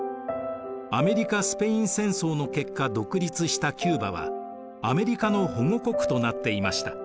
アメリカ・スペイン戦争の結果独立したキューバはアメリカの保護国となっていました。